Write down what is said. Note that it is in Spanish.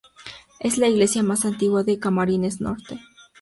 Es la iglesia más antigua de Camarines Norte.